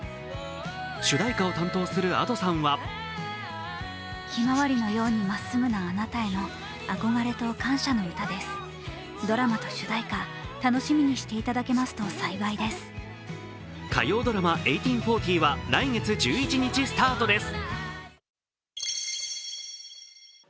主題歌を担当するＡｄｏさんは火曜ドラマ「１８／４０」は来月１１日スタートです。